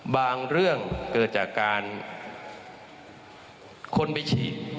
บางเรื่องเกิดจากการคนไปฉีด